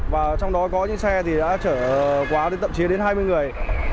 và trong đó có những xe thì đã chở quá tậm chí đến hai mươi người